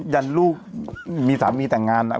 ยันลูกมีสามีแต่งงาน